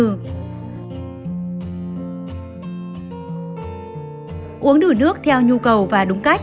uống đủ nước theo nhu cầu và đúng cách